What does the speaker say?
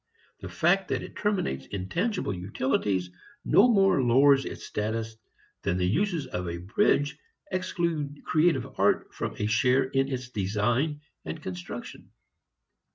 The fact that it terminates in tangible utilities no more lowers its status than the uses of a bridge exclude creative art from a share in its design and construction.